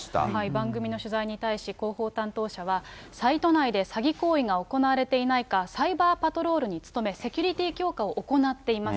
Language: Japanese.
番組の取材に対し、広報担当者は、サイト内で、詐欺行為が行われていないか、サイバーパトロールに努め、セキュリティー強化を行っています。